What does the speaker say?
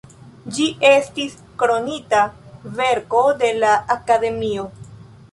Ĝi estis Kronita verko de la Akademio.